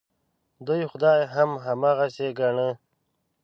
دوی خدای هم هماغسې ګاڼه.